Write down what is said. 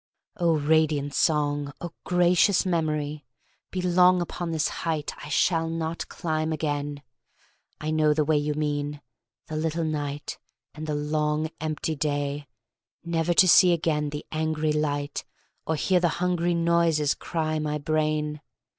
Oh, radiant Song! Oh, gracious Memory! Be long upon this height I shall not climb again! I know the way you mean, the little night, And the long empty day, never to see Again the angry light, Or hear the hungry noises cry my brain!